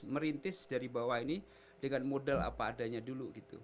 merintis dari bawah ini dengan model apa adanya dulu gitu